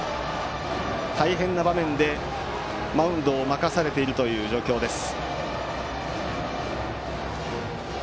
大変な場面で、マウンドを任されているという状況です。